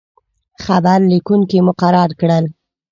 خبر لیکونکي مقرر کړل.